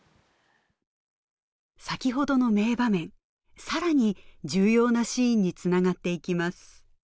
先ほどの名場面更に重要なシーンにつながっていきます